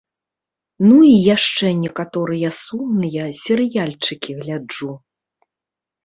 Ну і яшчэ некаторыя сумныя серыяльчыкі гляджу.